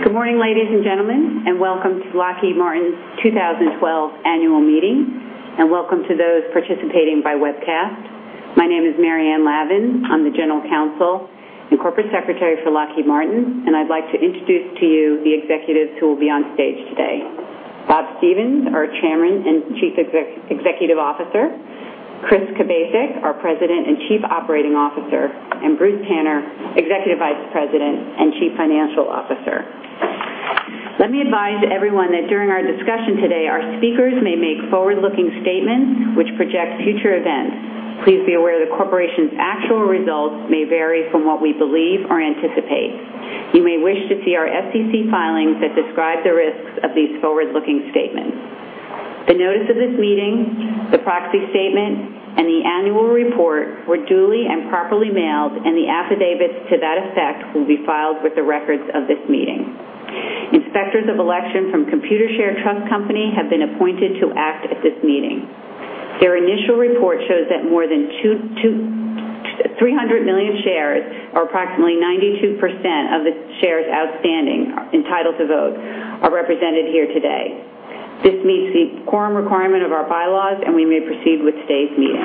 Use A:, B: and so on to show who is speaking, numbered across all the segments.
A: Good morning, ladies and gentlemen, and welcome to Lockheed Martin's 2012 Annual Meeting, and welcome to those participating by webcast. My name is Maryanne Lavan. I'm the General Counsel and Corporate Secretary for Lockheed Martin, and I'd like to introduce to you the executives who will be on stage today: Bob Stevens, our Chairman and Chief Executive Officer, Kris Kubasik, our President and Chief Operating Officer, and Bruce Taner, Executive Vice President and Chief Financial Officer. Let me advise everyone that during our discussion today, our speakers may make forward-looking statements, which project future events. Please be aware the corporation's actual results may vary from what we believe or anticipate. You may wish to see our SEC filings that describe the risks of these forward-looking statements. The notice of this meeting, the proxy statement, and the annual report were duly and properly mailed, and the affidavits to that effect will be filed with the records of this meeting. Inspectors of Election from Computershare Trust Company have been appointed to act at this meeting. Their initial report shows that more than 300 million shares, or approximately 92% of the shares outstanding entitled to vote, are represented here today. This meets the quorum requirement of our bylaws, and we may proceed with today's meeting.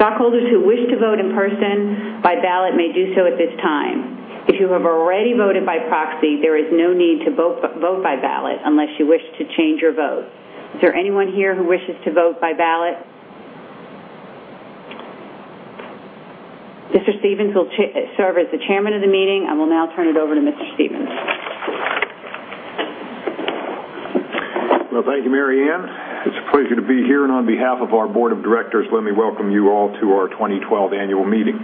A: Stockholders who wish to vote in person by ballot may do so at this time. If you have already voted by proxy, there is no need to vote by ballot unless you wish to change your vote. Is there anyone here who wishes to vote by ballot? Mr. Stevens will serve as the Chairman of the meeting. I will now turn it over to Mr. Stevens.
B: Thank you, Maryanne. It's a pleasure to be here, and on behalf of our Board of Directors, let me welcome you all to our 2012 Annual Meeting.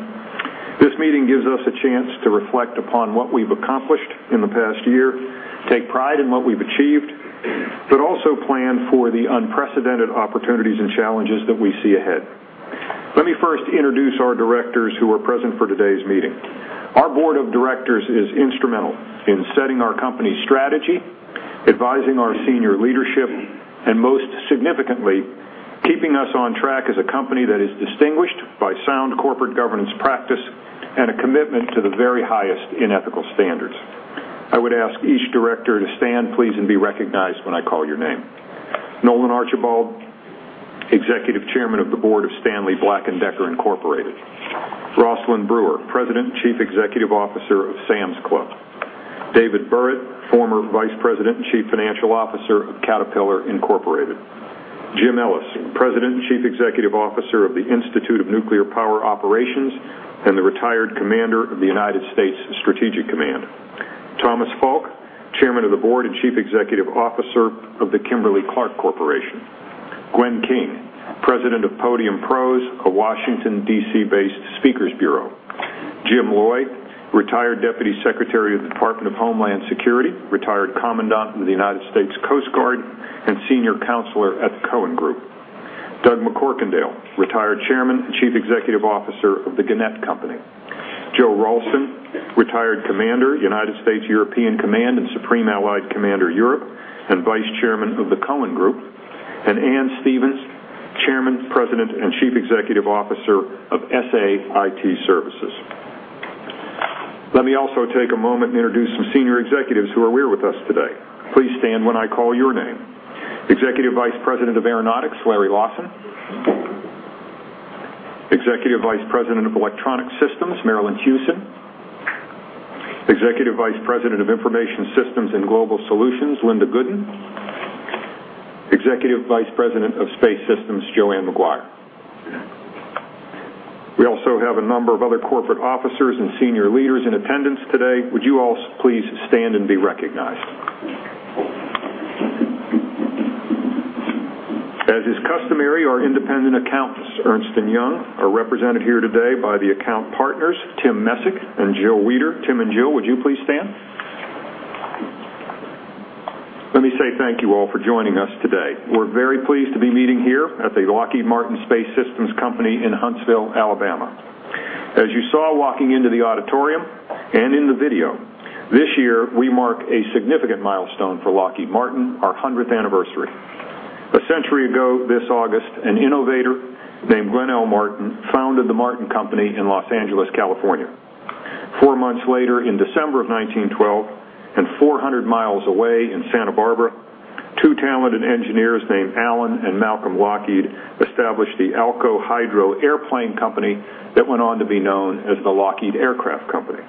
B: This meeting gives us a chance to reflect upon what we've accomplished in the past year, take pride in what we've achieved, but also plan for the unprecedented opportunities and challenges that we see ahead. Let me first introduce our directors, who are present for today's meeting. Our Board of Directors is instrumental in setting our company's strategy, advising our senior leadership, and most significantly, keeping us on track as a company that is distinguished by sound corporate governance practice and a commitment to the very highest in ethical standards. I would ask each director to stand, please, and be recognized when I call your name: Nolan Archibald, Executive Chairman of the Board of Stanley Black & Decker Incorporated, Rosalind Brewer, President and Chief Executive Officer of Sam's Club, David Burritt, former Vice President and Chief Financial Officer of Caterpillar Incorporated, Jim Ellis, President and Chief Executive Officer of the Institute of Nuclear Power Operations and the retired Commander of the United States Strategic Command, Thomas Falk, Chairman of the Board and Chief Executive Officer of the Kimberly-Clark Corporation, Gwen King, President of Podium Prose, a Washington, D.C.-based speakers bureau, Jim Loy, retired Deputy Secretary of the Department of Homeland Security, retired Commandant of the United States Coast Guard, and Senior Counselor at the Cohen Group, Doug McCorkendale, retired Chairman and Chief Executive Officer of the Gannett Company, Joe Ralston, retired Commander, United States European Command and Supreme Allied Commander Europe, and Vice Chairman of the Cohen Group, and Anne Stevens, Chairman, President, and Chief Executive Officer of SA IT Services. Let me also take a moment to introduce some senior executives who are here with us today. Please stand when I call your name: Executive Vice President of Aeronautics, Larry Lawson, Executive Vice President of Electronic Systems, Marillyn Hewson, Executive Vice President of Information Systems and Global Solutions, Linda Gooden, Executive Vice President of Space Systems, Joanne Maguire. We also have a number of other corporate officers and senior leaders in attendance today. Would you all please stand and be recognized? As is customary, our independent accountants, Ernst & Young, are represented here today by the account partners, Tim Messick and [Joe Weeder]. Tim and Joe, would you please stand? Let me say thank you all for joining us today. We're very pleased to be meeting here at the Lockheed Martin Space Systems Company in Huntsville, Alabama. As you saw walking into the auditorium and in the video, this year we mark a significant milestone for Lockheed Martin, our 100th anniversary. A century ago, this August, an innovator named Glenn L. Martin founded the Martin Company in Los Angeles, California. Four months later, in December of 1912, and 400 miles away in Santa Barbara, two talented engineers named Allan and Malcolm Lockheed established the Alco Hydro-Aeroplane Company that went on to be known as the Lockheed Aircraft Company.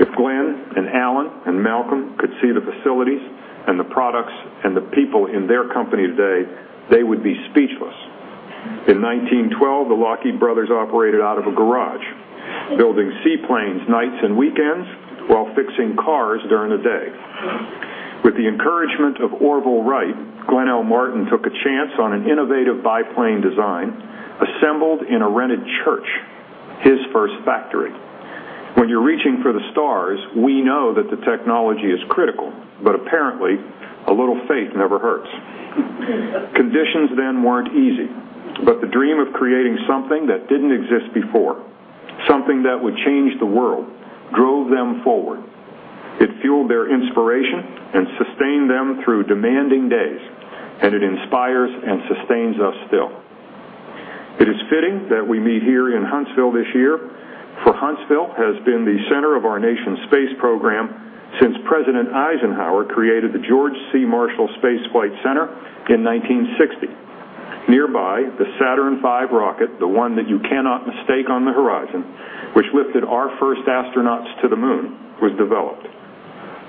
B: If Glenn and Allan and Malcolm could see the facilities and the products and the people in their company today, they would be speechless. In 1912, the Lockheed brothers operated out of a garage, building seaplanes nights and weekends while fixing cars during the day. With the encouragement of Orville Wright, Glenn L. Martin took a chance on an innovative biplane design assembled in a rented church, his first factory. When you're reaching for the stars, we know that the technology is critical, but apparently, a little faith never hurts. Conditions then weren't easy, but the dream of creating something that didn't exist before, something that would change the world, drove them forward. It fueled their inspiration and sustained them through demanding days, and it inspires and sustains us still. It is fitting that we meet here in Huntsville this year, for Huntsville has been the center of our nation's space program since President Eisenhower created the George C. Marshall Space Flight Center in 1960. Nearby, the Saturn V rocket, the one that you cannot mistake on the horizon, which lifted our first astronauts to the moon, was developed.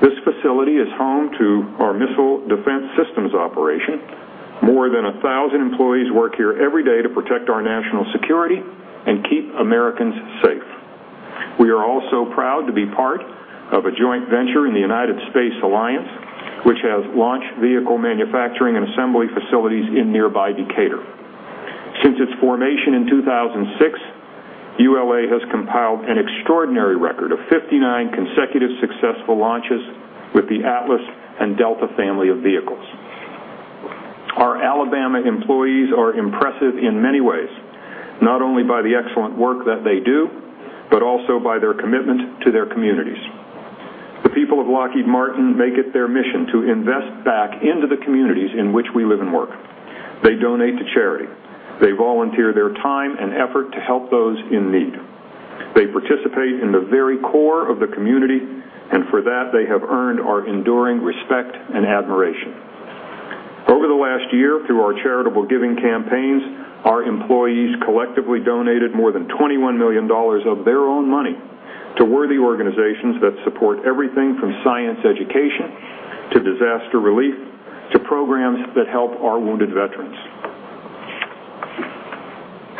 B: This facility is home to our Missile Defense Systems Operation. More than 1,000 employees work here every day to protect our national security and keep Americans safe. We are also proud to be part of a joint venture in the United Space Alliance, which has launch vehicle manufacturing and assembly facilities in nearby Decatur. Since its formation in 2006, ULA has compiled an extraordinary record of 59 consecutive successful launches with the Atlas and Delta family of vehicles. Our Alabama employees are impressive in many ways, not only by the excellent work that they do, but also by their commitment to their communities. The people of Lockheed Martin make it their mission to invest back into the communities in which we live and work. They donate to charity. They volunteer their time and effort to help those in need. They participate in the very core of the community, and for that, they have earned our enduring respect and admiration. Over the last year, through our charitable giving campaigns, our employees collectively donated more than $21 million of their own money to worthy organizations that support everything from science education to disaster relief to programs that help our wounded veterans.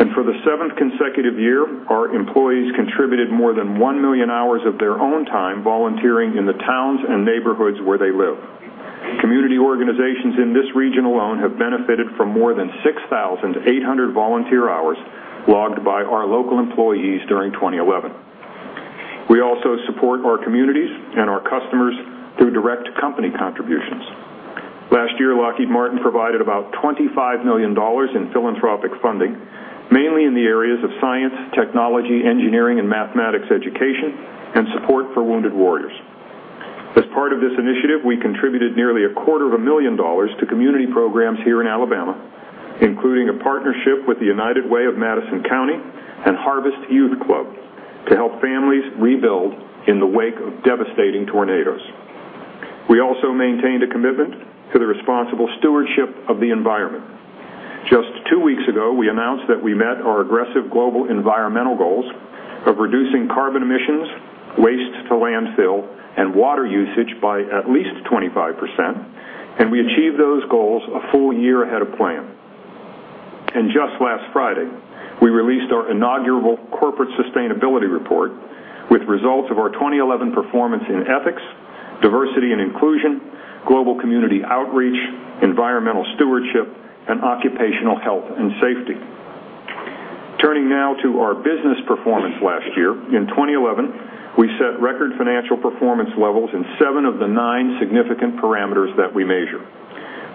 B: For the seventh consecutive year, our employees contributed more than 1 million hours of their own time volunteering in the towns and neighborhoods where they live. Community organizations in this region alone have benefited from more than 6,800 volunteer hours logged by our local employees during 2011. We also support our communities and our customers through direct company contributions. Last year, Lockheed Martin provided about $25 million in philanthropic funding, mainly in the areas of science, technology, engineering, and mathematics education, and support for wounded warriors. As part of this initiative, we contributed nearly a quarter of a million dollars to community programs here in Alabama, including a partnership with the United Way of Madison County and Harvest Youth Club to help families rebuild in the wake of devastating tornadoes. We also maintained a commitment to the responsible stewardship of the environment. Just two weeks ago, we announced that we met our aggressive global environmental goals of reducing carbon emissions, waste to landfill, and water usage by at least 25%, and we achieved those goals a full year ahead of plan. Just last Friday, we released our inaugural corporate sustainability report with results of our 2011 performance in ethics, diversity and inclusion, global community outreach, environmental stewardship, and occupational health and safety. Turning now to our business performance last year, in 2011, we set record financial performance levels in seven of the nine significant parameters that we measure.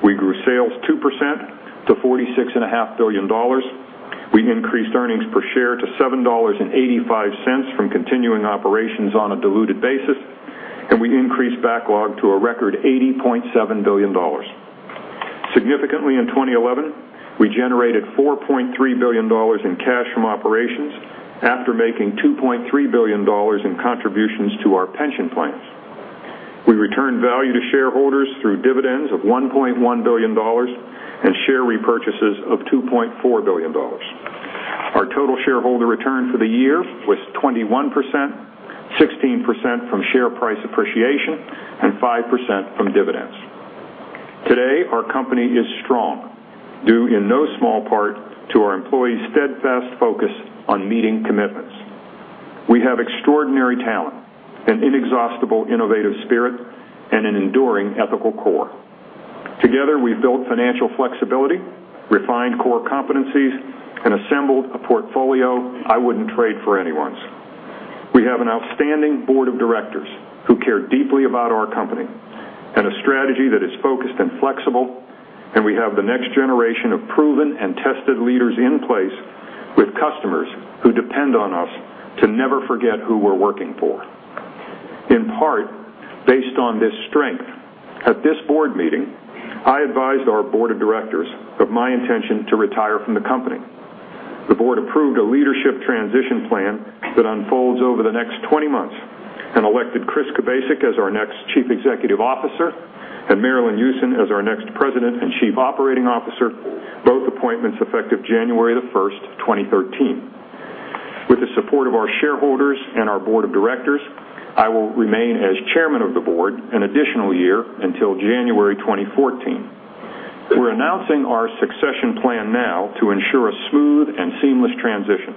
B: We grew sales 2% to $46.5 billion. We increased earnings per share to $7.85 from continuing operations on a diluted basis, and we increased backlog to a record $80.7 billion. Significantly, in 2011, we generated $4.3 billion in cash from operations after making $2.3 billion in contributions to our pension plans. We returned value to shareholders through dividends of $1.1 billion and share repurchases of $2.4 billion. Our total shareholder return for the year was 21%, 16% from share price appreciation, and 5% from dividends. Today, our company is strong, due in no small part to our employees' steadfast focus on meeting commitments. We have extraordinary talent, an inexhaustible innovative spirit, and an enduring ethical core. Together, we've built financial flexibility, refined core competencies, and assembled a portfolio I wouldn't trade for anyone's. We have an outstanding board of directors who care deeply about our company and a strategy that is focused and flexible, and we have the next generation of proven and tested leaders in place with customers who depend on us to never forget who we're working for. In part based on this strength, at this board meeting, I advised our board of directors of my intention to retire from the company. The board approved a leadership transition plan that unfolds over the next 20 months and elected Kris Kubasik as our next Chief Executive Officer and Marillyn Hewson as our next President and Chief Operating Officer, both appointments effective January 1, 2013. With the support of our shareholders and our board of directors, I will remain as Chairman of the board an additional year until January 2014. We're announcing our succession plan now to ensure a smooth and seamless transition.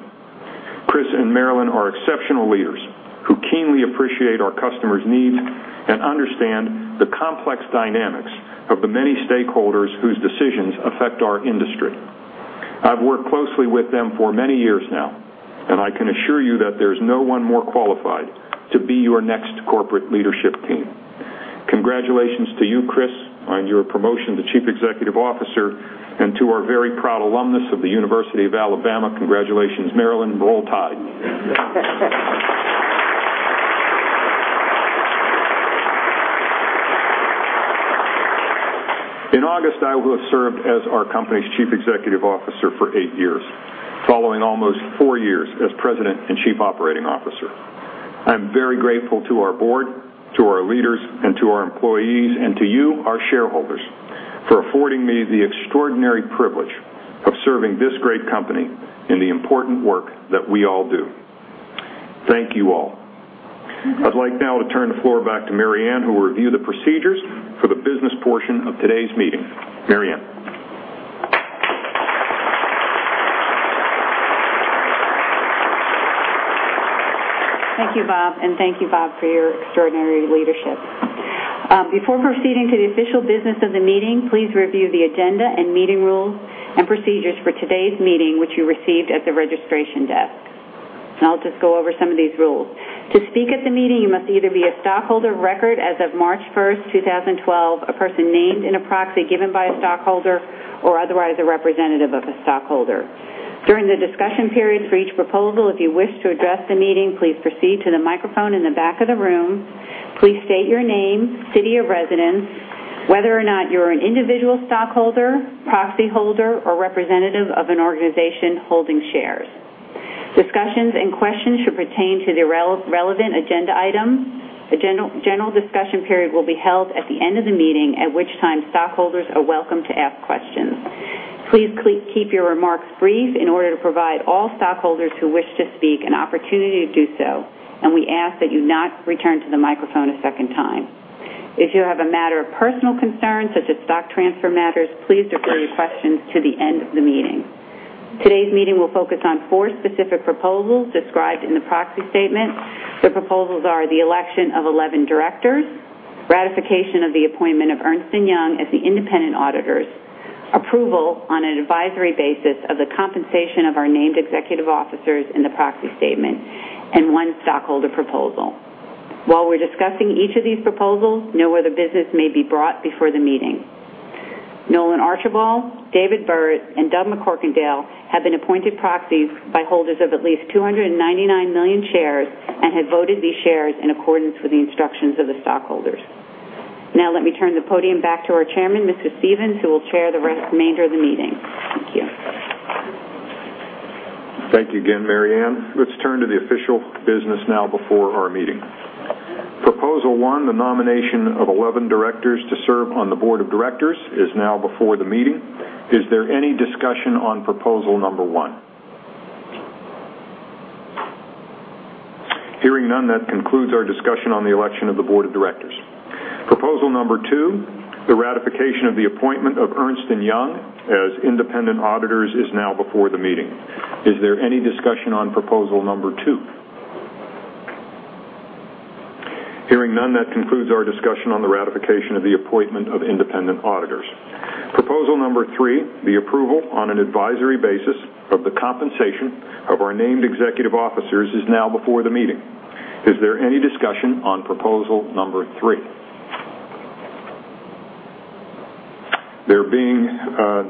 B: Kris and Marillyn are exceptional leaders who keenly appreciate our customers' needs and understand the complex dynamics of the many stakeholders whose decisions affect our industry. I've worked closely with them for many years now, and I can assure you that there's no one more qualified to be your next corporate leadership team. Congratulations to you, Kris, on your promotion to Chief Executive Officer and to our very proud alumnus of the University of Alabama. Congratulations, Marillyn, and the whole tide. In August, I will have served as our company's Chief Executive Officer for eight years, following almost four years as President and Chief Operating Officer. I'm very grateful to our board, to our leaders, and to our employees, and to you, our shareholders, for affording me the extraordinary privilege of serving this great company and the important work that we all do. Thank you all. I'd like now to turn the floor back to Maryanne, who will review the procedures for the business portion of today's meeting. Maryanne.
A: Thank you, Bob, and thank you, Bob, for your extraordinary leadership. Before proceeding to the official business of the meeting, please review the agenda and meeting rules and procedures for today's meeting, which you received at the registration desk. I'll just go over some of these rules. To speak at the meeting, you must either be a stockholder of record as of March 1st, 2012, a person named in a proxy given by a stockholder, or otherwise a representative of a stockholder. During the discussion period for each proposal, if you wish to address the meeting, please proceed to the microphone in the back of the room. Please state your name, city of residence, whether or not you're an individual stockholder, proxy holder, or representative of an organization holding shares. Discussions and questions should pertain to the relevant agenda item. A general discussion period will be held at the end of the meeting, at which time stockholders are welcome to ask questions. Please keep your remarks brief in order to provide all stockholders who wish to speak an opportunity to do so, and we ask that you not return to the microphone a second time. If you have a matter of personal concern, such as stock transfer matters, please defer your questions to the end of the meeting. Today's meeting will focus on four specific proposals described in the proxy statement. The proposals are the election of 11 directors, ratification of the appointment of Ernst & Young, as the independent auditors, approval on an advisory basis of the compensation of our named executive officers in the proxy statement, and one shareholder proposal. While we're discussing each of these proposals, no other business may be brought before the meeting. Nolan Archibald, David Burritt, and Doug McCorkendale have been appointed proxies by holders of at least 299 million shares and have voted these shares in accordance with the instructions of the stockholders. Now, let me turn the podium back to our Chairman, Mr. Stevens, who will chair the remainder of the meeting. Thank you.
B: Thank you again, Maryanne. Let's turn to the official business now before our meeting. Proposal one, the nomination of 11 directors to serve on the Board of Directors, is now before the meeting. Is there any discussion on proposal number one? Hearing none, that concludes our discussion on the election of the Board of Directors. Proposal number two, the ratification of the appointment of Ernst & Young as independent auditors, is now before the meeting. Is there any discussion on proposal number two? Hearing none, that concludes our discussion on the ratification of the appointment of independent auditors. Proposal number three, the approval on an advisory basis of the compensation of our named executive officers, is now before the meeting. Is there any discussion on proposal number three? There being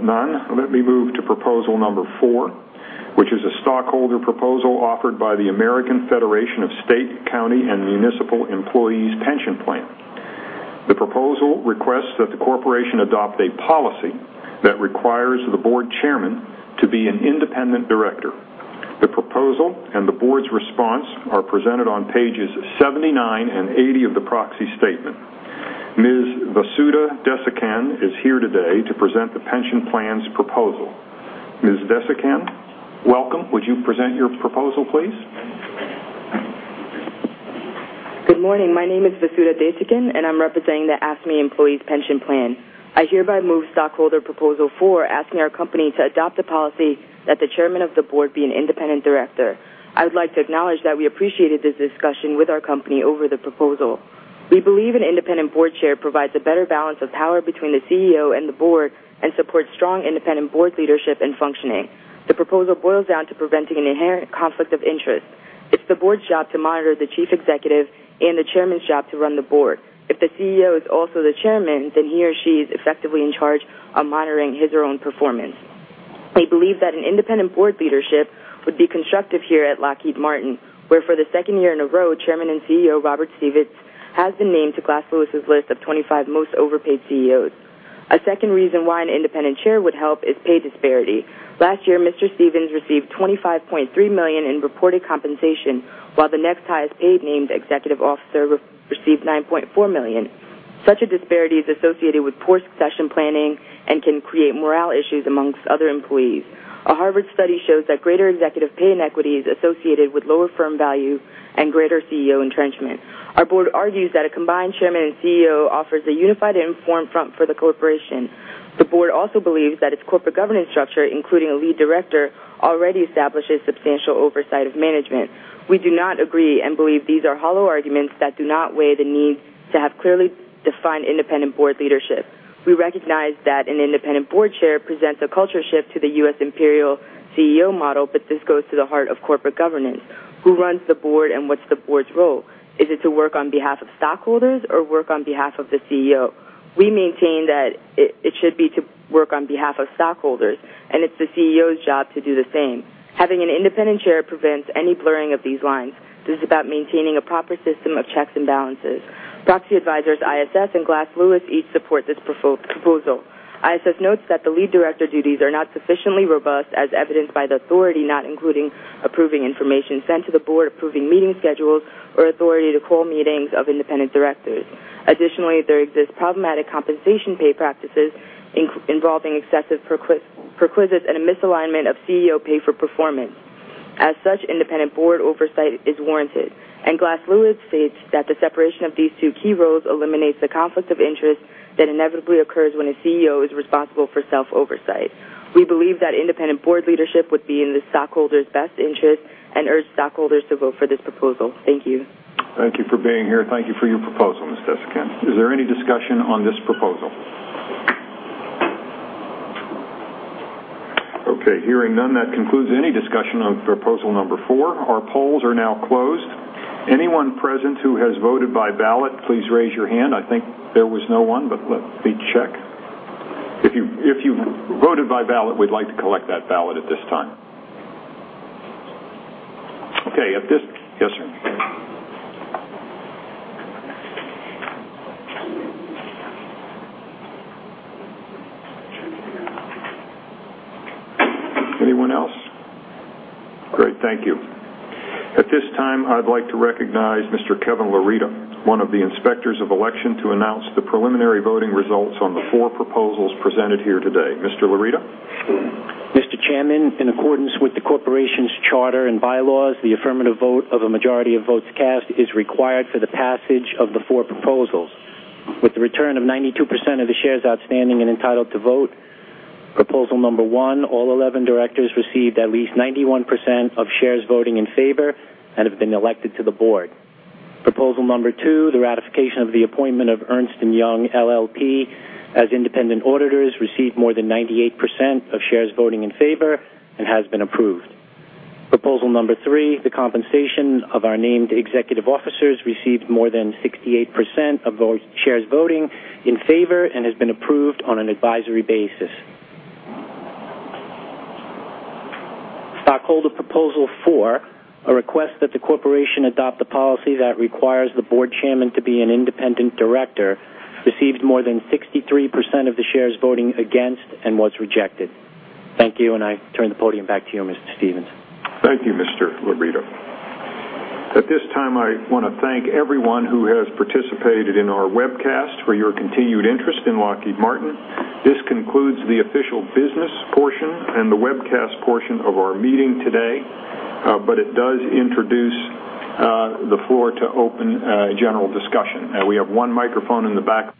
B: none, let me move to proposal number four, which is a shareholder proposal offered by American Federation of State, County and Municipal Employees Pension Plan. The proposal requests that the corporation adopt a policy that requires the Board Chairman to be an independent director. The proposal and the Board's response are presented on pages 79 and 80 of the proxy statement. Ms. Vasudha Desikn is here today to present the pension plan's proposal. Ms. Desikan, welcome. Would you present your proposal, please?
C: Good morning. My name is Vasudha Desikan, and I'm representing the AFSCME Employees Pension Plan. I hereby move stockholder proposal four, asking our company to adopt the policy that the Chairman of the Board be an independent director. I would like to acknowledge that we appreciated this discussion with our company over the proposal. We believe an independent board chair provides a better balance of power between the CEO and the board and supports strong independent board leadership and functioning. The proposal boils down to preventing an inherent conflict of interest. It's the board's job to monitor the Chief Executive and the Chairman's job to run the board. If the CEO is also the Chairman, then he or she is effectively in charge of monitoring his or her own performance. We believe that an independent board leadership would be constructive here at Lockheed Martin, where for the second year in a row, Chairman and CEO Bob Stevens has been named to Glass Lewis' list of 25 most overpaid CEOs. A second reason why an independent chair would help is pay disparity. Last year, Mr. Stevens received $25.3 million in reported compensation, while the next highest paid named executive officer received $9.4 million. Such a disparity is associated with poor succession planning and can create morale issues amongst other employees. A Harvard study shows that greater executive pay inequities are associated with lower firm value and greater CEO entrenchment. Our board argues that a combined Chairman and CEO offers a unified and informed front for the corporation. The board also believes that its corporate governance structure, including a lead director, already establishes substantial oversight of management. We do not agree and believe these are hollow arguments that do not weigh the need to have clearly defined independent board leadership. We recognize that an independent board chair presents a culture shift to the U.S. imperial CEO model, but this goes to the heart of corporate governance. Who runs the board and what's the board's role? Is it to work on behalf of stockholders or work on behalf of the CEO? We maintain that it should be to work on behalf of stockholders, and it's the CEO's job to do the same. Having an independent chair prevents any blurring of these lines. This is about maintaining a proper system of checks and balances. Proxy advisors ISS and Glass Lewis each support this proposal. ISS notes that the lead director duties are not sufficiently robust, as evidenced by the authority not including approving information sent to the board, approving meeting schedules, or authority to call meetings of independent directors. Additionally, there exist problematic compensation pay practices involving excessive perquisites and a misalignment of CEO pay for performance. As such, independent board oversight is warranted, and Glass Lewis states that the separation of these two key roles eliminates the conflict of interest that inevitably occurs when a CEO is responsible for self-oversight. We believe that independent board leadership would be in the stockholders' best interest and urge stockholders to vote for this proposal. Thank you.
B: Thank you for being here. Thank you for your proposal, Ms. Desikan. Is there any discussion on this proposal? Okay. Hearing none, that concludes any discussion of proposal number four. Our polls are now closed. Anyone present who has voted by ballot, please raise your hand. I think there was no one, but let me check. If you voted by ballot, we'd like to collect that ballot at this time. Okay. At this... Yes, sir. Anyone else? Great. Thank you. At this time, I'd like to recognize Mr. Kevin Laurita, one of the Inspectors of Election, to announce the preliminary voting results on the four proposals presented here today. Mr. Laurita?
D: Mr. Chairman, in accordance with the corporation's charter and bylaws, the affirmative vote of a majority of votes cast is required for the passage of the four proposals. With the return of 92% of the shares outstanding and entitled to vote, proposal number one, all 11 directors received at least 91% of shares voting in favor and have been elected to the board. Proposal number two, the ratification of the appointment of Ernst & Young LLP as independent auditors, received more than 98% of shares voting in favor and has been approved. Proposal number three, the compensation of our named executive officers, received more than 68% of shares voting in favor and has been approved on an advisory basis. Stockholder proposal four, a request that the corporation adopt a policy that requires the board chairman to be an independent director, received more than 63% of the shares voting against and was rejected. Thank you, and I turn the podium back to you, Mr. Stevens.
B: Thank you, Mr. Laurita. At this time, I want to thank everyone who has participated in our webcast for your continued interest in Lockheed Martin. This concludes the official business portion and the webcast portion of our meeting today, but it does introduce the floor to open general discussion. We have one microphone in the back.